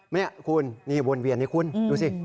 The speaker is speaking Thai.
นี่คุณนี่วนเวียนนี่คุณดูสิ